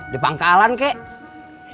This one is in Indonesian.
di pangkalan kek